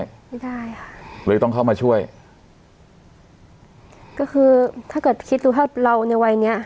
ไม่ได้ค่ะเลยต้องเข้ามาช่วยก็คือถ้าเกิดคิดดูถ้าเราในวัยเนี้ย